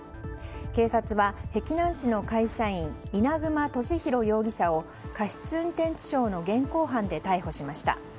警察は、碧南市の会社員稲熊利広容疑者を過失運転致傷の現行犯で逮捕しました。